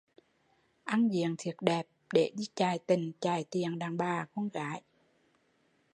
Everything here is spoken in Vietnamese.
Ăn diện thiệt đẹp để đi chài tình chài tiền đàn bà con gái